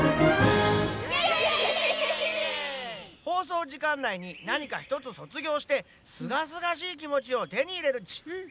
放送時間ないになにかひとつ卒業してすがすがしいきもちをてにいれるっち！